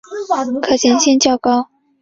可行性较高